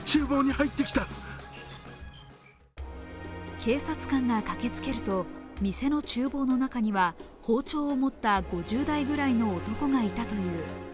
警察官が駆けつけると店のちゅう房の中には包丁を持った５０代くらいの男がいたという。